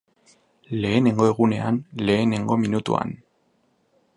Lehenengo egunean, lehenengo minutuan.